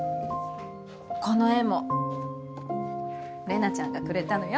この絵もレナちゃんがくれたのよ。